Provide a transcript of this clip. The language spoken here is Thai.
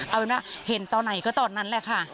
เอาเป็นว่าเห็นตอนไหนก็ตอนนั้นแหละค่ะ